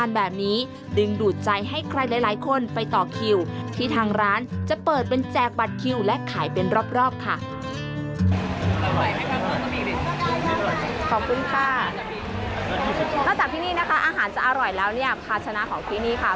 นอกจากที่นี่นะคะอาหารจะอร่อยแล้วเนี่ยภาชนะของที่นี่ค่ะ